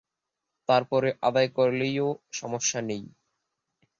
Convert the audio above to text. তবে পরে আদায় করলেও সমস্যা নেই।